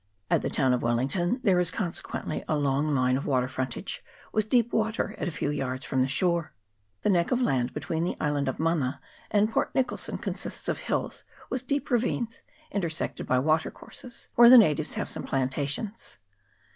At the town of Wellington there is consequently a long line of water frontage, with deep water at a few yards from the shore. The neck of land between the island of Mana and Port Nicholson consists of hills, with deep ravines, intersected by watercourses, where the natives have some plantations.